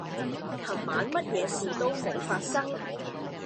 琴晚乜嘢事都冇發生